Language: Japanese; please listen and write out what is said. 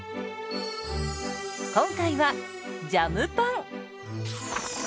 今回はジャムパン。